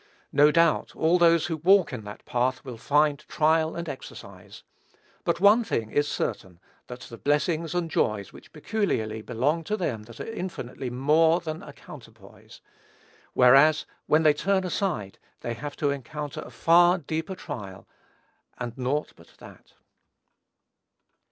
No doubt, all those who walk in that path will find trial and exercise; but one thing is certain, that the blessings and joys which peculiarly belong to them are infinitely more than a counterpoise; whereas, when they turn aside, they have to encounter far deeper trial, and naught but that.